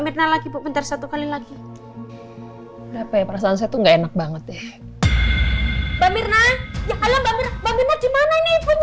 mirna lagi bentar satu kali lagi berapa ya perasaan saya tuh enak banget deh mbak mirna